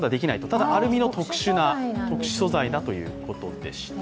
ただ、アルミの特殊素材だということでした。